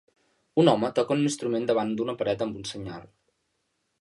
Un home toca un instrument davant d'una paret amb un senyal.